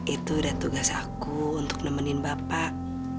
itu udah tugas aku untuk nemenin bapak